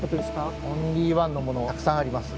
オンリーワンのものたくさんあります。